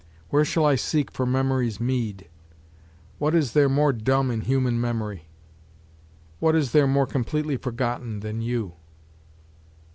Where shall I seek for memory's meed? What is there more dumb in human memory? What is there more completely forgotten than you?